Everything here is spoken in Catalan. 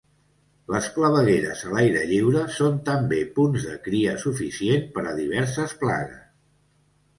Les clavegueres a l'aire lliure són també punts de cria suficient per a diverses plagues.